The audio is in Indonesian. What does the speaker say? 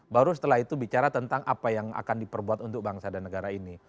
baru setelah itu bicara tentang apa yang akan diperbuat untuk bangsa dan negara ini